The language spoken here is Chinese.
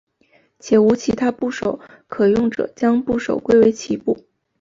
且无其他部首可用者将部首归为齐部。